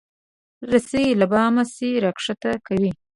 رسۍ له بامه شی راکښته کوي.